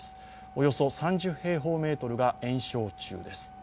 およそ３０平方メートルが延焼中です。